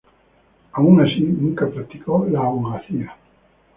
Aun así, nunca practicó la abogacía.